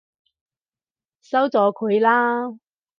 收咗佢啦！